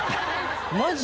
マジ！？